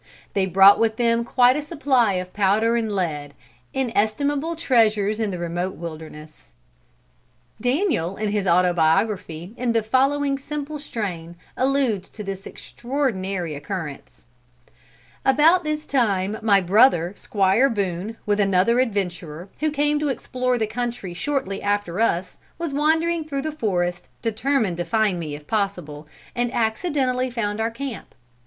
They brought with them quite a supply of powder and lead; inestimable treasures in the remote wilderness. Daniel, in his Autobiography, in the following simple strain, alludes to this extraordinary occurrence: "About this time my brother Squire Boone, with another adventurer, who came to explore the country shortly after us, was wandering through the forest, determined to find me if possible, and accidentally found our camp.